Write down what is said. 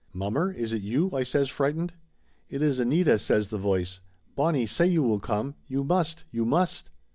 "Mommer, is it you?" I says frightened. "It is Anita," says the voice. "Bonnie, say you will come. You must, you must!"